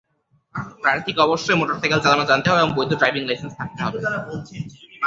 প্রার্থীকে অবশ্যই মোটরসাইকেল চালানো জানতে হবে এবং বৈধ ড্রাইভিং লাইসেন্স থাকতে হবে।